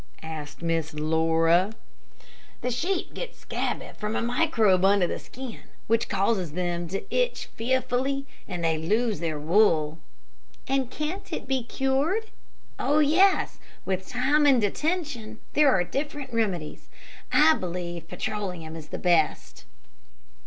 asked Miss Laura. "The sheep get scabby from a microbe under the skin, which causes them to itch fearfully, and they lose their wool." "And can't it be cured?" "Oh, yes! with time and attention. There are different remedies. I believe petroleum is the best."